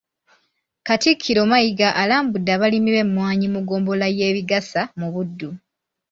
Katikkiro Mayiga alambudde abalimi b’emmwanyi mu ggombolola y’e Bigasa mu Buddu .